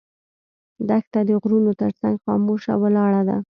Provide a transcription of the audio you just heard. دښته د غرونو تر څنګ خاموشه ولاړه ده.